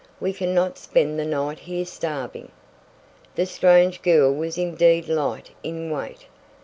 We can not spend the night here, starving." The strange girl was indeed light in weight.